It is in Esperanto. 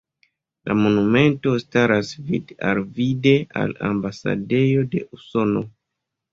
La monumento staras vid-al-vide al ambasadejo de Usono.